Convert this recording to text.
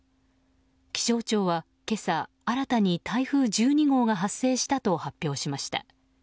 気象庁は、今朝新たに台風１２号が発生したと発表しました。